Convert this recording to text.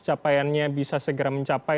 capaiannya bisa segera mencapai